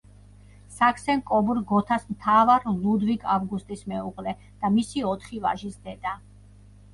საქსენ-კობურგ-გოთას მთავარ ლუდვიგ ავგუსტის მეუღლე და მისი ოთხი ვაჟის დედა.